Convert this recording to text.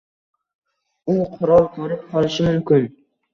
U qurol ko’rib qolishi mumkin.